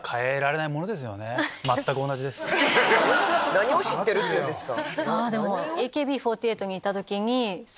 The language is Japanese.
何を知ってるっていうんですか。